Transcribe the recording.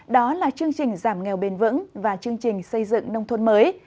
đó là chương trình giảm nghèo bền vững và chương trình xây dựng nông thôn mới